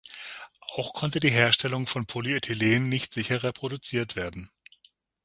Auch konnte die Herstellung von Polyethylen nicht sicher reproduziert werden.